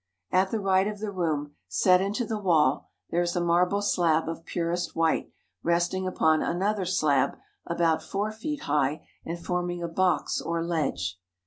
At the right of the room, set into the wall, there is a marble slab of purest white resting upon another slab about four feet high and forming a box or ledge.